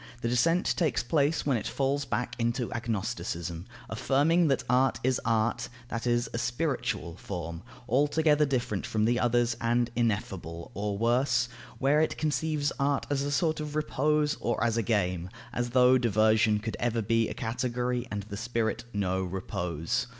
The descent takes place when it falls back into agnosticism, affirming that art is art, that is, a spiritual form, altogether different from the others and ineffable; or worse, where it conceives art as a sort of repose or as a game; as though diversion could ever be a category and the spirit know repose!